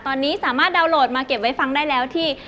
ตอนนี้สามารถดาวน์โหลดมาเก็บไว้ฟังได้แล้วที่